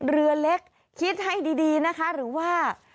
เรือเล็กคิดให้ดีนะคะหรือว่า